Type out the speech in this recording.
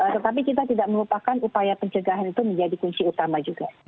tetapi kita tidak melupakan upaya pencegahan itu menjadi kunci utama juga